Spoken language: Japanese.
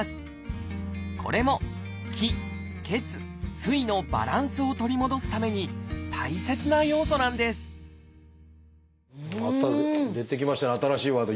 これも「気・血・水」のバランスを取り戻すために大切な要素なんですまた出てきましたね新しいワード。